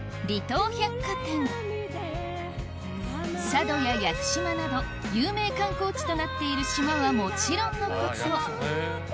佐渡や屋久島など有名観光地となっている島はもちろんのこと